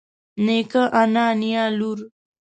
نيکه انا نيا لور